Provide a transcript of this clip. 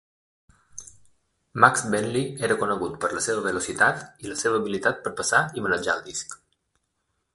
Max Bentley era conegut per la seva velocitat i, la seva habilitat per passar i manejar el disc.